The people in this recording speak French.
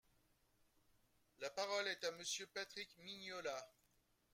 La parole est à Monsieur Patrick Mignola.